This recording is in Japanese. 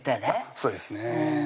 そうですね